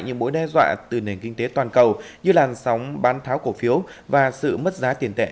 những mối đe dọa từ nền kinh tế toàn cầu như làn sóng bán tháo cổ phiếu và sự mất giá tiền tệ